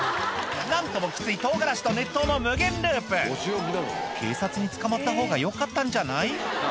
何ともきつい唐辛子と熱湯の無限ループ警察に捕まったほうがよかったんじゃない？